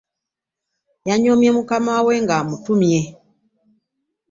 Yanyomye maama we nga amutumye .